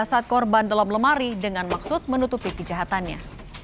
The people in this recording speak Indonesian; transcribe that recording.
saat korban dalam lemari dengan maksud menutupi kejahatannya